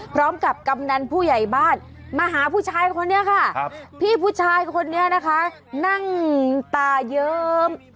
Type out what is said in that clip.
กำนันผู้ใหญ่บ้านมาหาผู้ชายคนนี้ค่ะพี่ผู้ชายคนนี้นะคะนั่งตาเยิ้ม